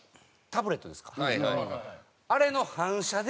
あれの反射で。